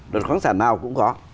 luật khoáng sản nào cũng có